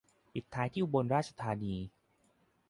ปิดท้ายที่อุบลราชธานี